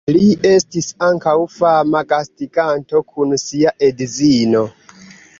Li estis ankaŭ fama gastiganto kun sia edzino.